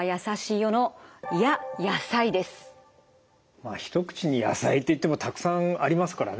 まあ一口に野菜って言ってもたくさんありますからね。